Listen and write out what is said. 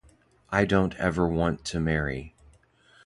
I don’t want ever to marry.